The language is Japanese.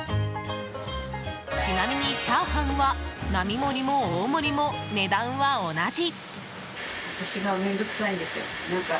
ちなみにチャーハンは並盛りも大盛りも値段は同じ。